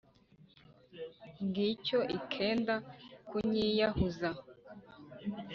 Ngicyo ikenda kunyiyahuza.